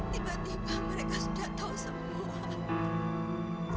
tiba tiba mereka sudah tahu semua